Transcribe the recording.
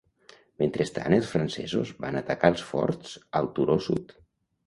Mentrestant, els francesos van atacar els forts al turó sud.